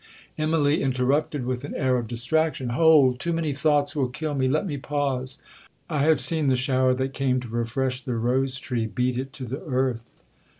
Immalee interrupted with an air of distraction—'Hold! too many thoughts will kill me—let me pause. I have seen the shower that came to refresh the rose tree beat it to the earth.'